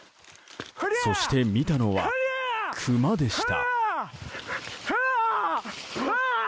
そして見たのはクマでした。